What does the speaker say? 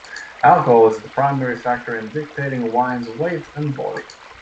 Alcohol is the primary factor in dictating a wine's weight and body.